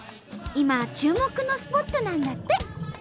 今注目のスポットなんだって！